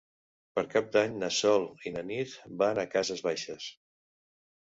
Per Cap d'Any na Sol i na Nit van a Cases Baixes.